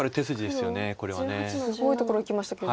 すごいところいきましたけど。